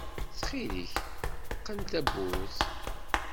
Txil-k qqen tawwurt!